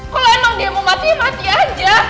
kok emang dia mau mati mati aja